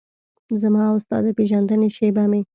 زما او ستا د پیژندنې شیبه مې